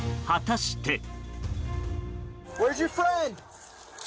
果たして。